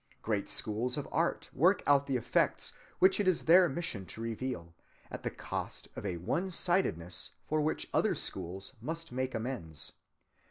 Great schools of art work out the effects which it is their mission to reveal, at the cost of a one‐sidedness for which other schools must make amends.